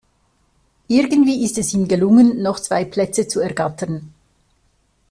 Irgendwie ist es ihm gelungen, noch zwei Plätze zu ergattern.